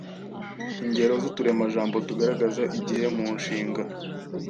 Ingero z’uturemajambo tugaragaza igihe mu nshinga